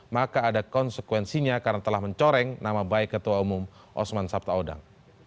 maka ada konsekuensinya karena telah mencoreng nama baik ketua umum osman sabtaodang